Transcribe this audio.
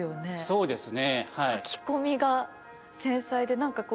そうですね。